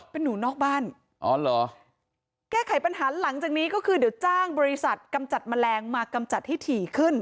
เป็นหนูนอกบ้านอ๋อเหรอแก้ไขปัญหาหลังจากนี้ก็คือเดี๋ยวจ้างบริษัทกำจัดแมลงมากำจัดให้ถี่ขึ้น